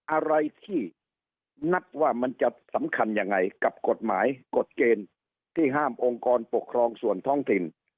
อะไรที่นัดว่ามันจะสำคัญยังไงกับกฎหมายกฎเกณฑ์ที่ห้ามองค์กรปกครองส่วนท้องถิ่น